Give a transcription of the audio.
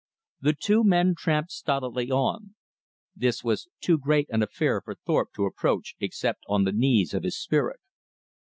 The two men tramped stolidly on. This was too great an affair for Thorpe to approach except on the knees of his spirit.